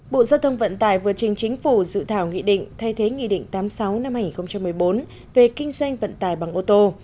bộ giao thông vận tải vừa trình chính phủ dự thảo nghị định thay thế nghị định tám mươi sáu năm hai nghìn một mươi bốn về kinh doanh vận tải bằng ô tô